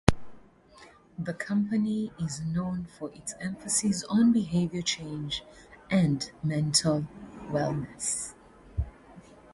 The company is known for its emphasis on behavior change and mental wellness.